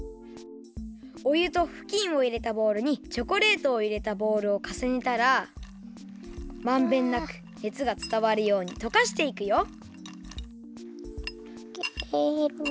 おゆとふきんをいれたボウルにチョコレートを入れたボウルをかさねたらまんべんなくねつがつたわるようにとかしていくよ。